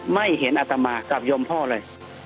ไม่เห็นอัตมากับยมพ่อเลย